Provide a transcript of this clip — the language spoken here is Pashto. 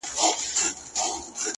حسن كه گل نه وي خو ښكلا پكي موجوده وي.!